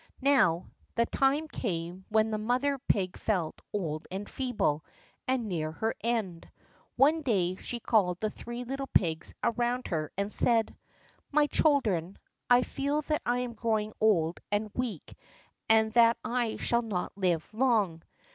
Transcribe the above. Now, the time came when the mother pig felt old and feeble and near her end. One day she called the three little pigs around her and said: "My children, I feel that I am growing old and weak and that I shall not live long.